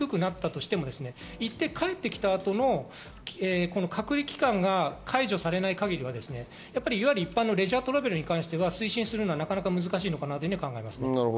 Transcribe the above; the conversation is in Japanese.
行って帰って来た後の隔離期間が解除されない限りは、いわゆる一般のレジャートラベルに関しては、推進するのは難しいかなというふうに考えます。